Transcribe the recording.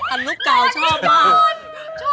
อนุกาวชอบมาก